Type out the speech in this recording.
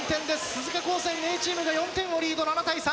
鈴鹿高専Ａチームが４点をリード７対３。